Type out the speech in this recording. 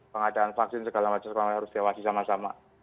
pengadaan vaksin segala macam harus diawasi sama sama